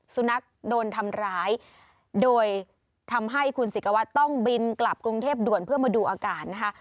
สุนัขโดนทำร้ายโดยทำให้คุณศิกวัตรต้องบินกลับกรุงเทพด่วนเพื่อมาดูอาการนะคะ